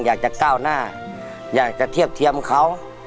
อยากจะก้าวหน้าอยากจะเทียบเทียมเขา